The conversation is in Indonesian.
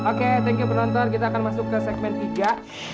oke thank you penonton kita akan masuk ke segmen tiga